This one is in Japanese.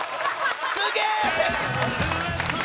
すげえ！